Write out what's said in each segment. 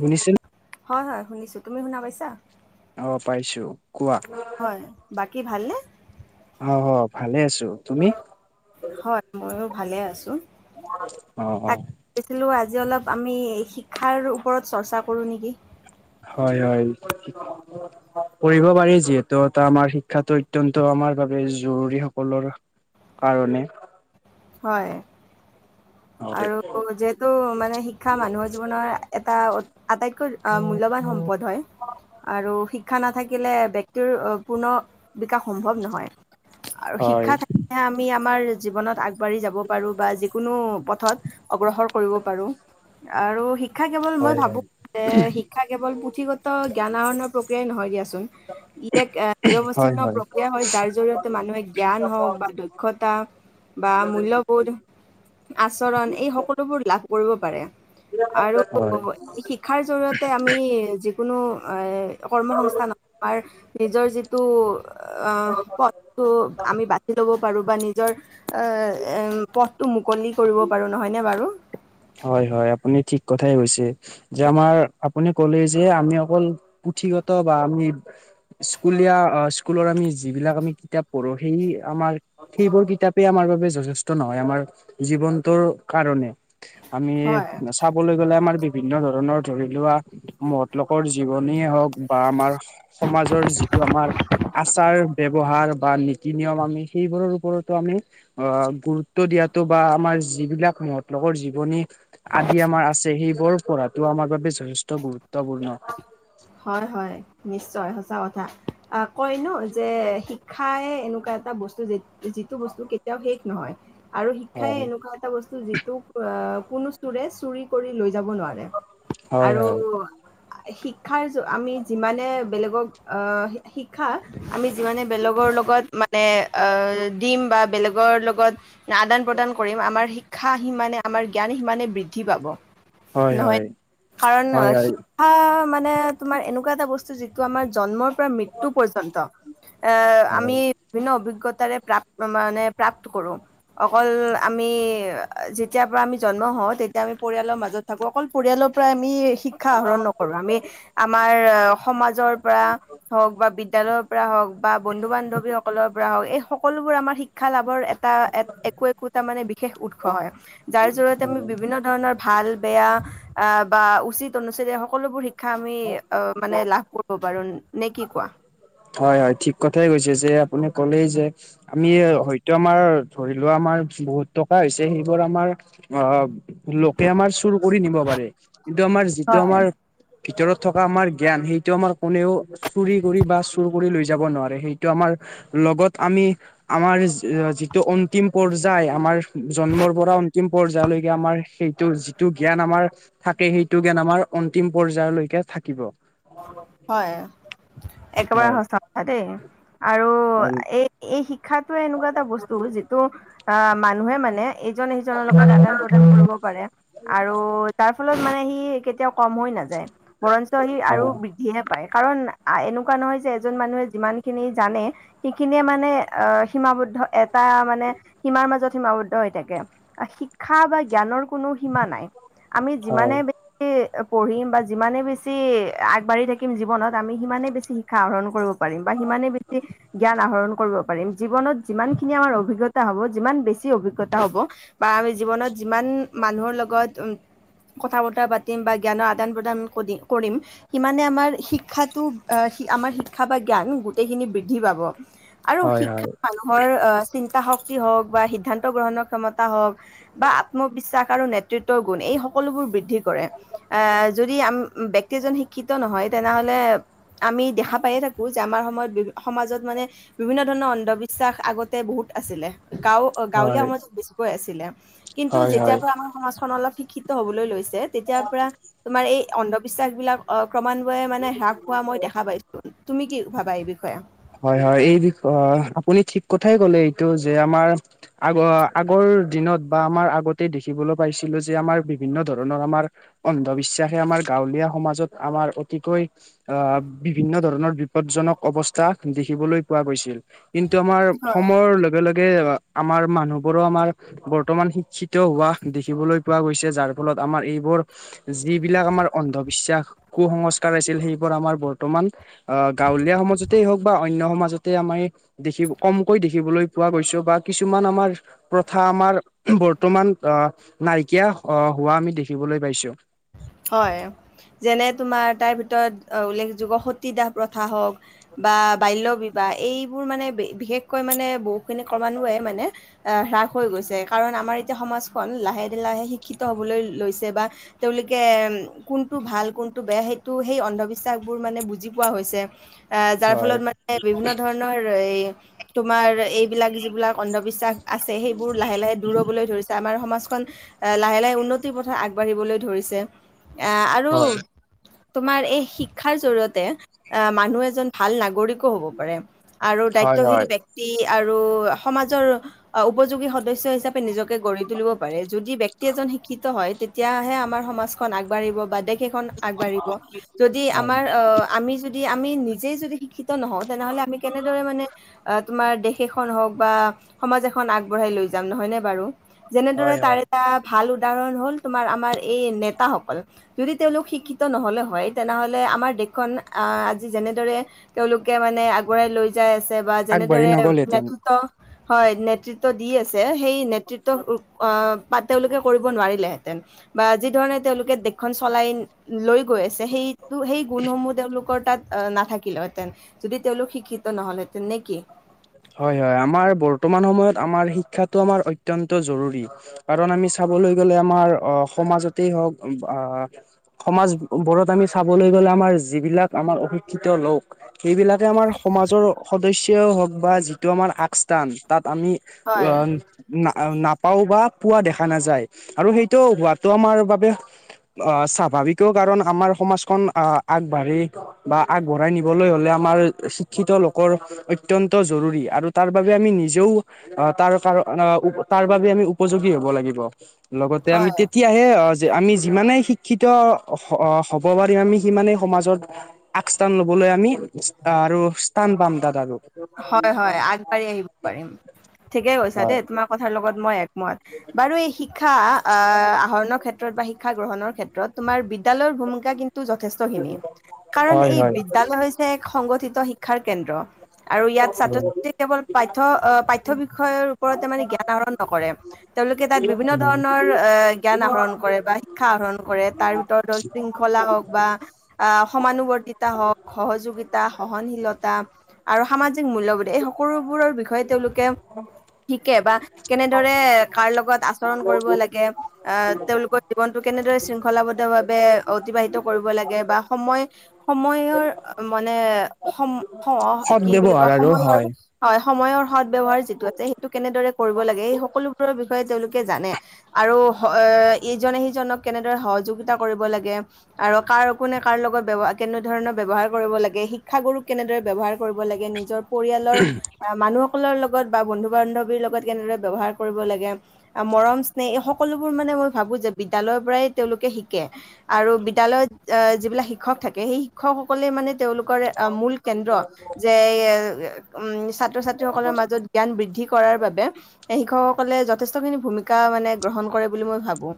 শুনিচে হয় হয় শুনিছোঁ। তুমি শুনা পাইছা? অ পাইছো কোৱা হয়, বাকী ভালনে? অ হয় ভালে আছো। তুমি? হয় মইয়ো ভালে আছো। অ' অ'। ভাবিছিলো আজি অলপ আমি শিক্ষাৰ ওপৰত চৰ্চা কৰো নেকি? হয় হয়। কৰিব পাৰি, যিহেতু এটা আমাৰ শিক্ষাটো অত্যন্ত আমাৰ বাবে জৰুৰী সকলোৰ কাৰণে। হয়, হয় আৰু যে যিহেতু মানে শিক্ষা মানুহৰ জীৱনৰ এটা আটাইতকৈ মূল্যৱান সম্পদ হয়। আৰু শিক্ষা নাথাকিলে ব্যক্তিৰ পূৰ্ণ বিকাশ সম্ভৱ নহয়। আৰু হয় শিক্ষা থাকিলেহে আমি আমাৰ জীৱনত আগ বাঢ়ি যাব পাৰো বা যিকোনো পথত অগ্ৰসৰ কৰিব পাৰো আৰু শি শিক্ষা কেৱল, মই হয় ভাবো হয় যে শিক্ষা কেৱল পুথিগত জ্ঞান আহৰণৰ প্ৰক্ৰিয়াই নহয় দিয়াচোন ই এক হয় নিৰৱচ্ছিন্ন প্ৰক্ৰিয়া হয় যাৰ জৰিয়তে মানুহে জ্ঞান হওক বা দক্ষতা বা মূল্যবোধ, আচৰণ এই সকলোবোৰ লাভ কৰিব পাৰে। আৰু হয় হয় শিক্ষাৰ জৰিয়তে আমি যিকোনো কৰ্ম সংস্থান আমাৰ নিজৰ যিটো আহ পথটো আমি বাচি ল'ব পাৰু বা নিজৰ এ পথটো মুকলি কৰিব পাৰো নহয় নে বাৰু? হয়, হয়, আপুনি ঠিক কথাই কৈছে। যে আমাৰ আপুনি কলেই যে আমি অকল পুথিগত বা আমি স্কুলীয়া স্কুলৰ আমি যিবিলাক আমি কিতাপ পঢ়ো সেই আমাৰ সেইবোৰ কিতাপে আমাৰ বাবে যথেষ্ট নহয়, আমাৰ জীৱন টো কাৰণে, আমি হয়। চাবলৈ গ'লে আমাৰ বিভিন্ন ধৰণৰ ধৰি লোৱা মহৎ লোকৰ জীৱনীয়ে হওঁক বা আমাৰ সমাজৰ যিটো আমাৰ আচাৰ ব্যৱহাৰ বা নী নীতি নিয়ম আমি সেইবোৰৰ ওপৰতো আমি অ', গুৰুত্ব দিয়াতো বা আমাৰ যিবিলাক মহৎলোকৰ জীৱনী আদি আমাৰ আছে, সেইবোৰ পঢ়াটো আমাৰ বাবে যথেষ্ট গুৰুত্বপূৰ্ণ। হয়, হয়। নিশ্চয় সচা কথা, আহ কইনো যে শিক্ষাই এনেকুৱা এটা বস্তু যে যিটো বস্তু কেতিয়াও শেষ নহয়, আৰু শিক্ষাই হয় এনেকুৱা এটা বস্তু যিটো কোনো চোৰে চুৰি লৈ যাব নোৱাৰে, হয় আৰু হয় শিক্ষাৰ য আমি যিমানে বেলেগক আ শিক্ষা আমি যিমানে বেলেগৰ লগত মানে দিম, বা বেলেগৰ লগত আদান প্ৰদান কৰিম আমাৰ শিক্ষা সিমানে আমাৰ জ্ঞান সিমানে বৃদ্ধি পাব। হয় হয় নহয়, কাৰণ হয় হয় শিক্ষা মানে তোমাৰ এনেকুৱা এটা বস্তু যিটো আমাৰ জন্মৰ পৰা মৃত্যু পৰ্যন্ত এহ আমি হয় বিভিন্ন অভিজ্ঞতাৰে প্ৰাপ মানে প্ৰাপ্ত কৰো। অকল আমি যেতিয়াৰ পৰা আমি জন্ম হওঁ তেতিয়া আমি পৰিয়ালৰ মাজত- অকল পৰিয়ালৰ পৰাই আমি শিক্ষা আহৰণ নকৰো। আমি আমাৰ- আমাৰ সমাজৰ পৰা হওঁক, বিদ্যালয়ৰ পৰা হওঁক বা বন্ধু-বান্ধৱীসকলৰ পৰা হওঁক, এই সকলোবোৰ আমাৰ শিক্ষা লাভৰ- এটা একো-একোটা মানে বিশেষ উৎস হয়, যাৰ জৰিয়তে আমি হয় বিভিন্ন- ধণৰ ভাল বেয়া আঁহ' বা উচিত-অনুচিত সকলোবোৰ- শিক্ষা আমি অ', মানে লাভ কৰিব পাৰো, নে কি কোৱা? হয়-হয়, ঠিক কথাই কৈছে। যে আপুনি ক'লেই যে আমি হয়তো- আমাৰ ধৰি লোৱা আমাৰ বহুত টকা হৈছে, সেইবোৰ আমাৰ আ'- লোকে আমাৰ চুৰ কৰি নিব পাৰে, কিন্তু আমাৰ- যিটো হয় আমাৰ ভিতৰত থকা আমাৰ জ্ঞান সেইটো আমাৰ কোনেও চুৰি কৰি বা- চুৰ কৰি লৈ যাব নোৱাৰে, সেইটো আমাৰ লগত আমি- আমাৰ যিটো অন্তিম পৰ্যায় আমাৰ জন্মৰ পৰা অন্তিম পৰ্যায়লৈকে আমাৰ সেই- টো যিটো জ্ঞান আমাৰ থাকেই সেইটো জ্ঞান আমাৰ অন্তিম পজাই লৈকে থাকিব। হয়, একেবাৰে হয় সঁচা কথা দেই। আৰু হয় এই- এই শিক্ষাতোৱে এনেকুৱা এটা বস্তু যিটো আঁ', মানুহে মানে- ইজনে সিজনৰ লগত আদান প্ৰদান কৰিব পাৰে। আৰু- তাৰ ফলত মানে সি কেতিয়াও কম হৈ নাযায়, বৰঞ্চ সি আৰু- বৃদ্ধিহে পায়। কাৰণ এনেকুৱা নহয় যে এজন মানুহে যিমানখিনি জানে- সিখিনিয়ে মানে আঁহ', সীমাবদ্ধ এটা মানে সীমাৰ মাজত সীমাবদ্ধ হৈ থাকে। শিক্ষা বা জ্ঞানৰ কোনো সীমা নাই। আমি যিমানে হয় বেছিকে পঢ়িম বা যিমানে বেছি - আগাঢ়ি থাকিম জীৱনত আমি সিমানেই বেছি শিক্ষা আহৰণ কৰিব পাৰিম, বা সিমানে বেছি জ্ঞান আহৰণ কৰিব- পাৰিম। জীৱনত যিমানখিনি আমাৰ অভিজ্ঞতা হ'ব, যিমান বেছি অভিজ্ঞতা হ'ব- বা আমি জীৱনত যিমান মানুহৰ লগত উম- কথা বতৰা পাতিম বা জ্ঞানৰ আদান প্ৰদান কৰি কৰিম। সিমানে আমাৰ শিক্ষাটো, আঁহ', আমাৰ শিক্ষা বা জ্ঞান গোটেইখিনি বৃদ্ধি পাব। আৰু হয় হয় শিক্ষা মানুহৰ চিন্তা শক্তি হওঁক বা সিদ্ধান্ত গ্ৰহণৰ ক্ষমতা হওঁক- বা আত্মবিশ্বাস আৰু নেত- তৃত্ব গুণ, এই সকলোবোৰ বৃদ্ধি কৰে। এ' যদি আমি ব্যক্তিজন- শিক্ষিত নহয়, তেনেহ'লে আমি দেখা পায়ে থাকো যে আমাৰ সময়ত যি-সমাজত মানে- বিভিন্ন ধৰণৰ অন্ধবিশ্বাস আগতে বহুত আছিলে। গাঁও- অ', গাঁৱলীয়া হয় সমাজত বেছিকৈ আছিলে। কিন্তু হয় যেতিয়াৰ হয় পৰা আমাৰ সমাজখন অলপ শিক্ষিত হ'বলৈ লৈছে- তেতিয়াৰ পৰা তোমাৰ এই অন্ধবিশ্বাসবিলাক আ' ক্ৰমান্বয়ে মানে হ্ৰাস পোৱা মই দেখা পাইছো। তুমি কি ভাবা এই বিষয়ে? হয়-হয়। এই বিষয়ে আপুনি ঠিক কথাই ক'লে, এইটো যে আমাৰ- আগ-আগৰ দিনত বা আমাৰ আগতে দেখিবলৈ পাইছিলো যে আমাৰ বিভিন্ন ধৰণৰ আমাৰ- অন্ধবিশ্বাসে আমাৰ গাঁৱলীয়া সমাজত আমাৰ অতিকৈ- আহ' বিভিন্ন ধৰণৰ বিপদজনক অৱ- স্থা দেখিবলৈ পোৱা গৈছিল। কিন্তু আমাৰ হয় সময়ৰ ল- লগে-লগে আমাৰ মানুহবোৰো আমাৰ- বৰ্তমান শিক্ষিত হোৱা দেখিবলৈ পোৱা গৈছে, যাৰ ফলত আমাৰ এইবোৰ- যিবিলাক আমাৰ অন্ধবিশ্বাস, কুসংস্কাৰ আছিল, সেইবোৰ আমাৰ বৰ্তমান- আহ', গাঁৱলীয়া সমাজ- তে হওঁক বা অন্য সমাজতে আমাৰ এই দেখি কমকৈ দেখিবলৈ পোৱা গৈছেও বা কিছুমান আমাৰ প্ৰথা আমাৰ বৰ্তমান অহ নাইকিয়া অহ' হোৱা আমি দেখিবলৈ পাইছো। হয়, যেনে তোমাৰ তাৰ ভিতৰত উল্লেখযোগ্য সতীদাহ প্ৰথা হওঁক বা বাল্য বিবাহ এইবোৰ মানে বি-বিশেষকৈ মানে বহুখিনি ক্ৰমান্বয়ে মানে অহ হ্ৰাস হৈ গৈছে। কাৰণ আমাৰ এতিয়া সমাজখন লাহে লাহে শিক্ষিত হ'বলৈ লৈ লৈছে বা [unintelligible] তে বুলি কেম কোনটো ভাল, কোনটো বেয়া সেইটো সেই অন্ধবিশ্বাসবোৰ মানে বুজি পোৱা হৈছে। অহ যাৰ হয় ফলত মানে বিভিন্ন ধৰণৰ এই, তোমাৰ এইট বিলাক যি বিলাক অন্ধবিশ্বাস আছে, সেইবোৰ লাহে লাহে দূৰ হ'বলৈ ধৰিছে। আমাৰ সমাজখন এ লাহে লাহে উন্নতিৰ পথত আগবাঢ়িবলৈ ধৰিছে এ আৰু তোমাৰ এই শিক্ষাৰ জৰিয়তে এহ মানুহ এজন ভাল নাগৰিকো হ'ব পাৰে। আৰু হয় দায়িত্বশীল হয় ব্যক্তি আৰু সমাজৰ অহ উপযোগী সদস্য হিচাপে নিজকে গঢ়ি তুলিব পাৰে। যদি ব্যক্তি এজন শিক্ষিত হয়, তেতিয়াহে আমাৰ সমাজ খন আগবাঢ়িব বা দেশ এখন আগবাঢ়িবা। যদি হয় আমাৰ অহ আমি যদি আমি নিজেই যদি শিক্ষিত নহওঁ, তেনেহ'লে আমি কেনেদৰে মানে অহ' তোমাৰ দেশ এখন হওক বা সমাজ এখন আগবঢ়াই লৈ যাম, নহয়নে বাৰু? যেনেদৰে হয় তাৰ হয় এটা ভাল উদাহৰণ হ'ল, তোমাৰ আমাৰ এই নেতাসকল। যদি তেওঁলোক শিক্ষিত নহ'লে হয়, তেনেহ'লে আমাৰ দেশখন আহ আজি যেনেদৰে তেওঁলোকে মানে আগুৱাই লৈ যাই আছে বা আগবাঢ়ি যেনেদৰে নগ'ল হেঁতেন নেতৃত্ব হয় নেতৃত্ব দি আছে, সেই নেত তৃত্ব অহ বা তেওঁলোকে কৰিব নোৱাৰিলে হেঁতেন বা যি ধৰণে তেওঁলোকে দেশখন চলাই লৈ গৈ আছে, সেইটো সেই গুণসমূহ তেওঁলোকৰ তাত অহ' নাথাকিল হেঁতেন যদি তেওঁলোক শিক্ষিত নহ'ল হেঁতেন। নে কি? হয় হয়। আমাৰ বৰ্তমান সময়ত আমাৰ শিক্ষাটো আমাৰ অত্যন্ত জৰুৰী। কাৰণ আমি চাবলৈ গ'লে, আমাৰ অহ সমাজতেই হওঁক আহ সমাজবোৰত আমি চাবলৈ গ'লে, আমাৰ যিবিলাক আমাৰ অশিক্ষিত লোক সেইবিলাকে আমাৰ সমাজৰ সদস্যই হওঁক বা যিটো আমাৰ আগস্থান তাত আমি হয় অ' না-নাপাওঁ বা পোৱা দেখা নাযায় আৰু সেইটো হোৱাটো আমাৰ বাবে অহ' স্বাভাৱিকো কাৰণ আমাৰ সমাজখন আ আগবাঢ়ি বা আগবঢ়াই নিবলৈ হ'লে আমাৰ শিক্ষিত লোকৰ অত্যন ত জৰুৰী আৰু তাৰ বাবে আমি নিজেও অ' তাৰ কাৰ তাৰ বাবে উপযোগী হ'ব লাগিব। লগতে আমি হয় তেতিয়াহে সে অ যে আমি যিমানেই শিক্ষিত হ'ব পাৰিম আমি সিমানেই সমাজত আগস্থান লবলৈ আমি আৰু স্থান পাম তাত আৰু হয় হয় আগ আগবাঢ়ি আহিব পাৰিম। ঠিকেই কৈছা হয় দেই, তোমাৰ কথাৰ লগত মই একমত বাৰু এই শিক্ষা আহৰণৰ ক্ষেত্ৰত বা শিক্ষা গ্ৰহণৰ ক্ষেত্ৰত তোমাৰ বিদ্যালয়ৰ ভূমিকা কিন্তু যথেষ্টখিনি, কাৰণ হয় এই হয় বিদ্যালয় এক সংগঠিত শিক্ষাৰ কেন্দ্ৰ। আৰু ইয়াত ছাত্ৰ ছাত্ৰীয়ে কেৱল পাঠ্য পাঠ্যয় বিষয়ৰ ওপৰতে মানে জ্ঞান আহৰণ নকৰে। তেওঁলোকে তাত বিভিন্ন ধৰণৰ এ জ্ঞান আহৰণ কৰে বা শিক্ষা আহৰণ কৰে তাৰ ভিতৰত দচ দিন [unintelligible] কলা হওঁক বা আহ সমানুবৰ্তিতা হওঁক বা সহযোগিতা, সহনশীলতা আৰু সামাজিক মূল্যবোধ এই সকলোবোৰৰ বি বিষয়ে তেওঁলোকে শিকে বা কেনেদৰে কাৰ লগত আচৰণ কৰিব লাগে আহ তেওঁলোকৰ জীৱনটো কেনেদৰে শৃংখলাবদ্ধ ভাৱে অতিবাহিত কৰিব লাগে বা সময় সময়ৰ মানে সম সদ কি বুলি ব্যৱহাৰ কয় আৰু সময়ৰ হয় হয়, সময়ৰ সদ ব্যৱহাৰ যিটো আছে সেইটো কেনেদৰে কৰিব লাগে, সেই সকলোবোৰৰ বিষয়ে তেওঁলোকে জানে। আৰু ইজনে সিজনক কেনেদৰে সহযোগিতা কৰিব লাগে। আৰু কাৰ একো কেনে কাৰ লগত কেনে ধৰণৰ ব-ব্যৱহাৰ কৰিব লাগে শিক্ষাগুৰুক কেনেদৰে ব্যৱহাৰ কৰিব লাগে নিজৰ পৰিয়ালৰ অ', মানুহসকলৰ লগত বা বন্ধু-বান্ধৱীৰ লগত কেনেদৰে ব্যৱহাৰ কৰিব লাগে। মৰম স্নেহ এই সকলোবোৰ মানে মই ভাবো যে বিদ্যালয়ৰ পৰাই তেওঁলোকে শিকে। আৰু বিদ্যালয়ত যিবিলাক শিক্ষক থাকে সেই শিক্ষকসকলে মানে তেওঁলোক কৰ মূল কেন্দ্ৰ। উম, যে ছাত্ৰীসকলৰ মাজত জ্ঞান বৃদ্ধি কৰাৰ বাবে এ শিক্ষকসকলে যথেষ্ট খিনি ভূমিকা মানে গ্ৰহণ কৰে বুলি মই ভাবো।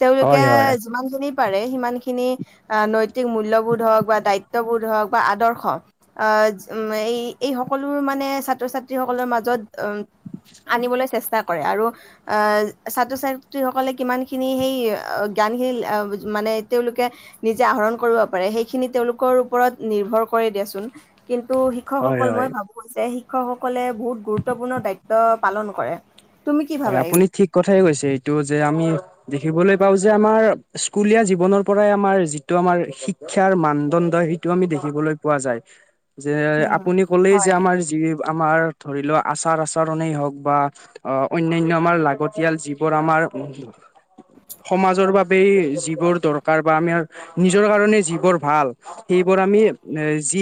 তেওঁলোকে হয় হয় যিমান খিনি সিমান খিনি নৈতিক মূল্য়বোধ হওক বা দায়িত্ববোধ হওক বা আদৰ্শ। আহ, এই এই সকলোবোৰ মানে ছাত্ৰ-ছাত্ৰী সকলৰ মাজত উম আনিবলৈ চেষ্টা কৰে আৰু আহ, ছাত্ৰ-ছাত্ৰীসকলে কিমানখিনি সেই জ্ঞানখিনি এ মানে তেওঁলোকে নিজে আহৰণ কৰিব পাৰে সেইখিনি তেওঁলোকৰ ওপৰত নিৰ্ভৰ কৰে দিয়াচোন। কিন্তু হয় শিক্ষকসকল মই হয় ভাবোঁ যে শিক্ষকসকলে বহুত গুৰুত্বপূৰ্ণ দায়িত্ব পালন কৰে। তুমি কি হয়, ভাবা এই আপুনি ঠিক কথাই কৈছে এইটো যে আমি দেখিবলৈ পাও যে আমাৰ স্কুলীয়া জীৱনৰ পৰাই আমাৰ যিটো আমাৰ শি শিক্ষাৰ মানদণ্ড সেইটো আমি দেখিবলৈ পোৱা যায় যে, উম, আপুনি ক'লেই যে হয়, আমাৰ যি আমাৰ ধৰি লোৱা আচাৰ আচাৰণেই হওক বা অ' অন্যান্য আমাৰ লাগতিয়াল যিবোৰ আমাৰ সমাজৰ বাবেই যিবোৰ দৰকাৰ বা আমাৰ নিজৰ কাৰণে যিবোৰ ভাল। সেইবোৰ আমি এ যি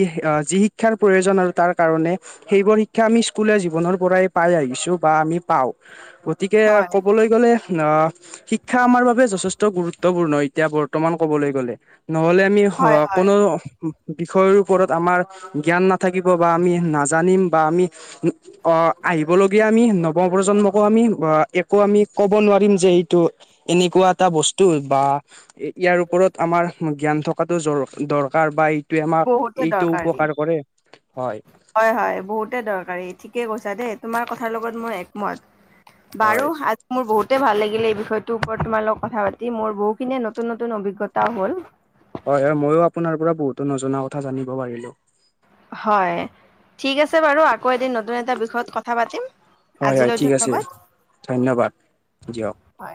যি শিক্ষাৰ প্ৰয়োজন আৰু তাৰ কাৰণে সেইবোৰ শিক্ষা আমি স্কুলীয়া জীৱনৰ পৰাই পাই আহিছো বা আমি পাও গতিকে হয়, ক'বলৈ গ'লে আহ শিক্ষা আমাৰ বাবে যথেষ্ট গুৰুত্বপূৰ্ণ এতিয়া বৰ্তমান কবলৈ গ'লে। নহ'লে আমি হয়, হয়, কোনো ৰ বিষয়ৰ ওপৰত আমাৰ জ্ঞান নাথাকিব বা আমি নাজানিম বা আমি অ', আহিবলগীয়া আমি নৱ প্ৰজন্মক আমি বা একো ক'ব নোৱাৰিম যে এইটো এনেকুৱা এটা বস্তু বা ইয়াৰ ওপৰত আমাৰ জ্ঞান থকাটো দৰকাৰ বা এইটোৱে আমাক বহুতে এইটো দৰকাৰী। উপকাৰ কৰে হয়। হয়, হয়, বহুতে দৰকাৰী ঠিকে কৈছা দেই তোমাৰ কথাৰ লগত মই একমত। হয় বাৰু আ মোৰ বহুতেই ভাল লাগিলে এই বিষয়টোৰ ওপৰত তোমাৰ লগত কথা পাতি, মোৰ বহুখিনিয়ে নতুন নতুন অভিজ্ঞতও হ'ল। হয়, হয়, আৰু মইও আপোনাৰ পৰা বহুতো নজনা কথা জানিব পাৰিলো। হয়, ঠিক আছে বাৰু আকৌ এদিন নতুন এটা বিষয়ত কথা পাতিম। হয়, হয়, আজিলৈ ঠিক আছে ধন্যবাদ ধন্যবাদ দিয়ক। হয়